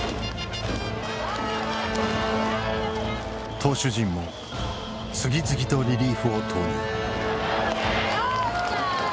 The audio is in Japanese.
投手陣も次々とリリーフを投入。